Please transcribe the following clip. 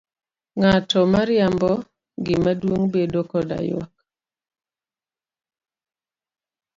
Ng'ato mariembo gima duong' bedo koda yuak?